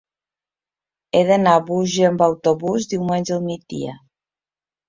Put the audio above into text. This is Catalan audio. He d'anar a Búger amb autobús diumenge al migdia.